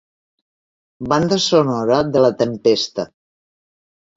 Banda sonora de la tempesta.